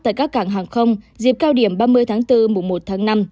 tại các cảng hàng không dịp cao điểm ba mươi tháng bốn mùa một tháng năm